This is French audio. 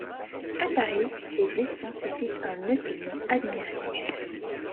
À Paris, ces dessins suscitent un étonnement admiratif.